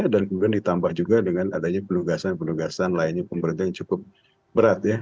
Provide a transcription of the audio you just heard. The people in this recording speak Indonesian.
dan kemudian ditambah juga dengan adanya penugasan penugasan lainnya pemerintah yang cukup berat ya